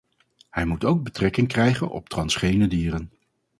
Hij moet ook betrekking krijgen op transgene dieren.